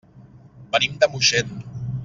Venim de Moixent.